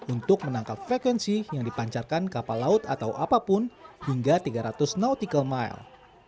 untuk menangkap frekuensi yang dipancarkan kapal laut atau apapun hingga tiga ratus nautical mile